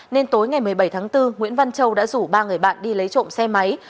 nên tối ngày một mươi bảy tháng bốn nguyễn văn châu đã rủ ba người bạn đi lấy trộm xe máy